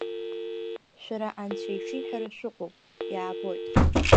Шәара анцәаишиҳәара шәыҟоуп, иаабоит…